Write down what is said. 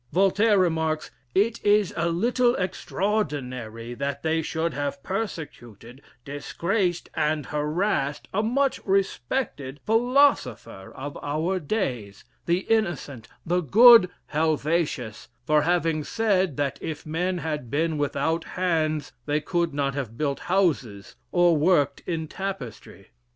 Voltaire remarks: "it is a little extraordinary that they should have persecuted, disgraced, and harassed, a much respected philosopher of our days, the innocent, the good Helvetius, for having said that if men had been without hands they could not have built houses, or worked in tapestry.